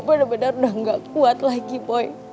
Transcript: bener bener udah gak kuat lagi boy